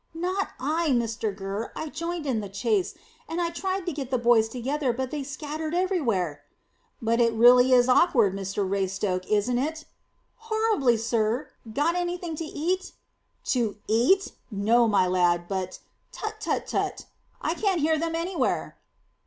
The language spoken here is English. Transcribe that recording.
"Not I, Mr Gurr. I joined in the chase, and I tried to get the boys together, but they scattered everywhere." "But it really is awkward, Mr Raystoke, isn't it?" "Horribly, sir. Got anything to eat?" "To eat? No, my lad. But tut tut tut! I can't hear them anywhere."